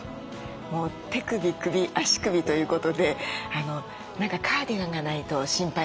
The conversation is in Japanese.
もう手首首足首ということで何かカーディガンがないと心配なんですね。